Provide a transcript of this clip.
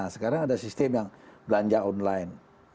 sekarang ada sistem yang belanja online